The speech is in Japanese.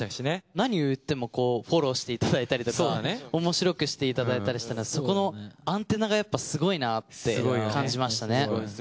何を言ってもこうフォローしていただいたりとかおもしろくしていただいたりそこのアンテナがやっぱすごいなって感じましたね。